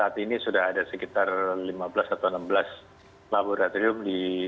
saat ini sudah ada sekitar lima belas atau enam belas laboratorium di